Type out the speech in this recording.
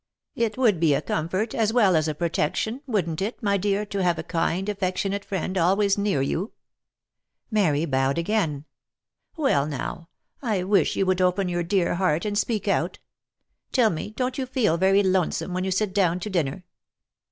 " It would be a comfort, as well as a protection, wouldn't it, my dear, to have a kind, affectionate friend, always near you .!" Mary bowed again. " Well now ! I wish you would open your dear heart, and speak out. Tell me, don't you feel very lonesome, when you sit down to dinner